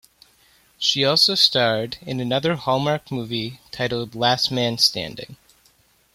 She also starred in another Hallmark movie titled "Last Man Standing".